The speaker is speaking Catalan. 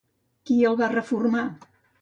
Qui el va reformar?